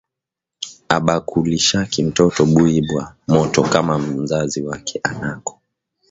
Abakulishaki mtoto buyi bwa moto kama mzazi wake anako